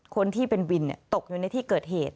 คนที่เป็นวินตกอยู่ในที่เกิดเหตุ